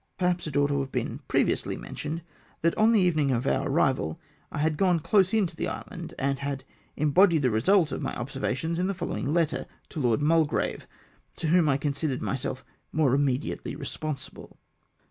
Perhaps it ought to have been previously mentioned, that on the evening of our arrival, I had gone close in to the island, and had embodied the result of my obser vations in the following letter to Lord Midgrave, to whom I considered myself more immediately respon sible.